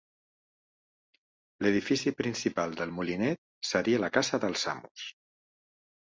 L'edifici principal del Molinet, seria la casa dels amos.